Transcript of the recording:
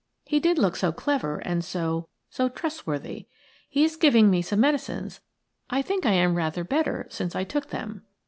He did look so clever and so – so trustworthy. He is giving me some medicines – I think I am rather better since I took them."